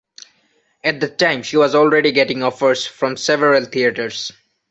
At the time she was already getting offers from several theaters.